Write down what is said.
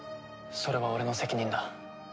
それは俺の責任だ。